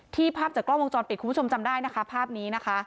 ภาพจากกล้องวงจรปิดคุณผู้ชมจำได้นะคะภาพนี้นะคะ